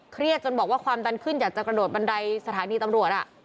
จนบอกว่าความดันขึ้นอยากจะกระโดดบันไดสถานีตำรวจ